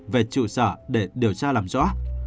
về trụ sở để điều tra làm rõ